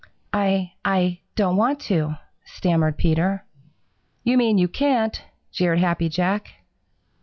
"I I don't want to," stammered Peter. "You mean you can't!" jeered Happy Jack.